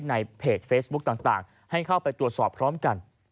ในเพจเฟซบุ๊คต่างให้เข้าไปตรวจสอบพร้อมกัน